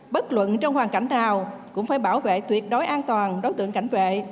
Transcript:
bất luận trong hoàn cảnh nào cũng phải bảo vệ tuyệt đối an toàn đối tượng cảnh vệ